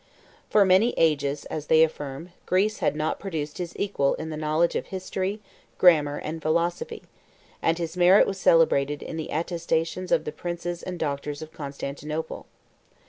For many ages (as they affirm) Greece had not produced his equal in the knowledge of history, grammar, and philosophy; and his merit was celebrated in the attestations of the princes and doctors of Constantinople.